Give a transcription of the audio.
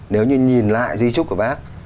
nếu như nhìn lại di trúc của bác